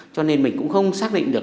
cho nên mình cũng không xác định được